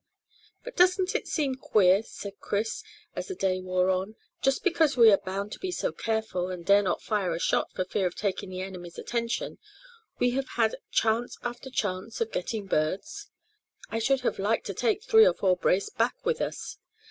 "But doesn't it seem queer," said Chris, as the day wore on, "just because we are bound to be so careful, and dare not fire a shot for fear of taking the enemy's attention, we have had chance after chance of getting birds? I should have liked to take three or four brace back with us."